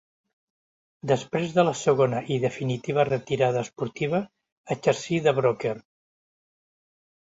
Després de la segona i definitiva retirada esportiva exercí de broker.